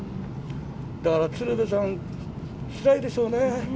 だから鶴瓶さん、つらいでしょうね。